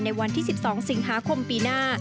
ในวันที่๑๒สิงหาคมปีหน้า